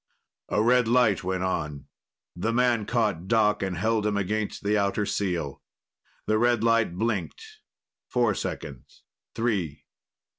A red light went on. The man caught Doc and held him against the outer seal. The red light blinked. Four seconds ... three